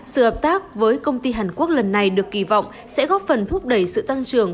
sự hợp tác với công ty hàn quốc lần này được kỳ vọng sẽ góp phần thúc đẩy sự tăng trưởng